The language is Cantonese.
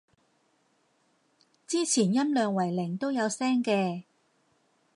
之前音量為零都有聲嘅